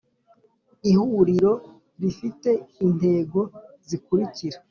Ihuriro rifite intego zikurikira